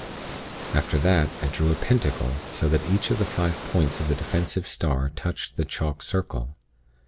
After that, I drew a Pentacle, so that each of the five points of the defensive star touched the chalk circle.